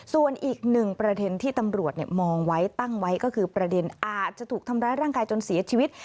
ส่วนอีกหนึ่งประเด็นที่ตำรวจมองไว้ตั้งไว้ก็คือประเด็นอาจจะถูกทำร้ายร่างกายจนเสียชีวิต